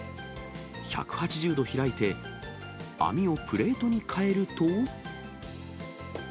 １８０度開いて、網をプレートにかえると。